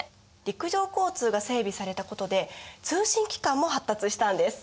陸上交通が整備されたことで通信機関も発達したんです。